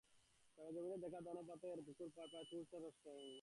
সরেজমিনে দেখা যায়, ধনপোতার পুকুরপাড়ের প্রায় চার ফুট রাস্তা কেটে দেওয়া হয়েছে।